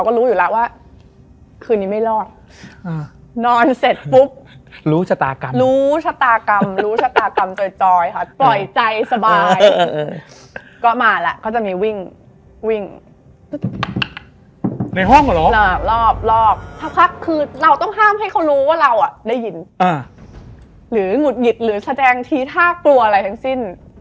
ก็เรียนปกติแต่ไม่เคยเล่นแบบ